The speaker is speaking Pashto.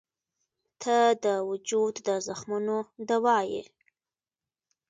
• ته د وجود د زخمونو دوا یې.